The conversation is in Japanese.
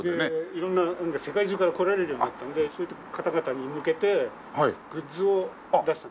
色んな世界中から来られるようになったんでそういう方々に向けてグッズを出してます。